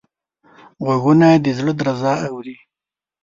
غوږونه د زړه درزا اوري